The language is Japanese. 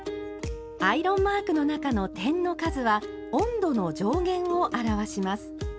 アイロンマークの中の点の数は温度の上限を表します。